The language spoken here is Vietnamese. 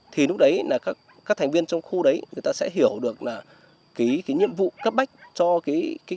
thì lúc đấy là các thành viên trong khu đấy người ta sẽ hiểu được là cái nhiệm vụ cấp bách cho cái